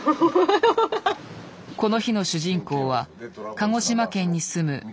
この日の主人公は鹿児島県に住む外山雄大。